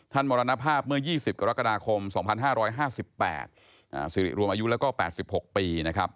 มรณภาพเมื่อ๒๐กรกฎาคม๒๕๕๘สิริรวมอายุแล้วก็๘๖ปีนะครับ